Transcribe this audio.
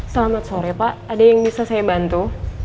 selamat sore pak ada yang bisa saya bantu